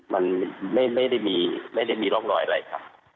มันไม่ได้มีร่องรอยอะไรครับ